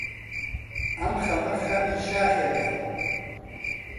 ئەم خەمە خەمی شاخێکە،